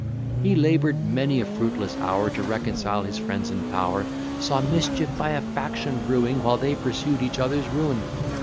He labour'd many a fruitless hour, To reconcile his friends in power; Saw mischief by a faction brewing, While they pursued each other's ruin.